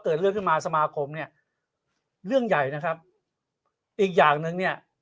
เกิดเรื่องขึ้นมาสมาคมเนี่ยเรื่องใหญ่นะครับอีกอย่างหนึ่งเนี่ย